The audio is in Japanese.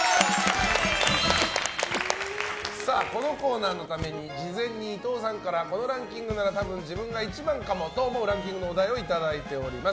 このコーナーのために事前に伊藤さんからこのランキングなら多分、自分が１番かもというランキングのお題をいただいております。